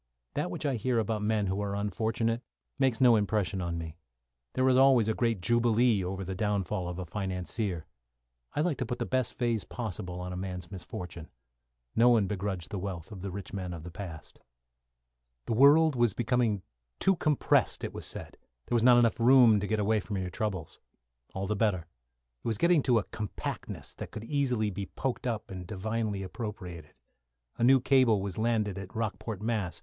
That which I hear about men who are unfortunate makes no impression on me. There is always a great jubilee over the downfall of a financier. I like to put the best phase possible upon a man's misfortune. No one begrudged the wealth of the rich men of the past. The world was becoming too compressed, it was said; there was not room enough to get away from your troubles. All the better. It was getting to a compactness that could be easily poked up and divinely appropriated. A new cable was landed at Rockport, Mass.